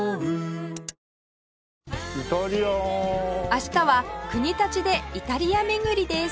明日は国立でイタリア巡りです